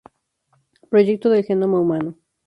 Proyecto del Genoma Humano